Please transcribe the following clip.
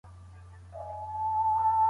ايا مشاهده په څېړنه کي مهمه ده؟